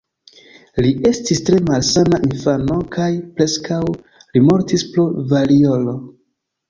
Li estis tre malsana infano kaj preskaŭ li mortis pro variolo.